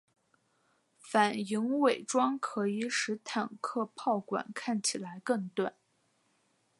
反影伪装可以使坦克炮管看起来更短。